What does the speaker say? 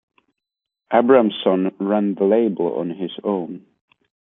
Abramson ran the label on his own.